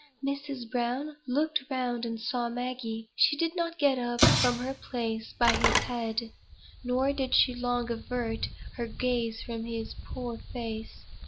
Mrs. Browne looked round, and saw Maggie. She did not get up from her place by his head; nor did she long avert her gaze from his poor face.